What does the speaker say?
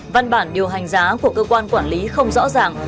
văn bản điều hành giá của cơ quan quản lý không rõ ràng